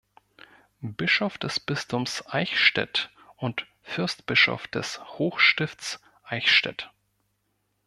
Bischof des Bistums Eichstätt und Fürstbischof des Hochstifts Eichstätt.